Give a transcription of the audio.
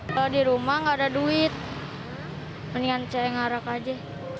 kalau di rumah nggak ada duit mendingan saya ngarak aja